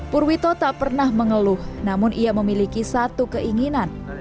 purwito tak pernah mengeluh namun ia memiliki satu keinginan